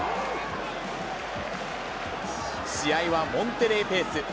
試合はモンテレイペース。